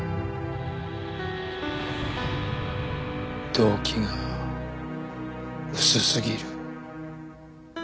動機が薄すぎる。